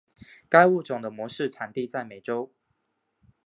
该物种的模式产地在美洲。